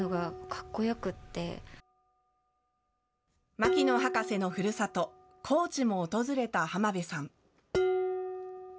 牧野博士のふるさと、高知も訪れた浜辺さん。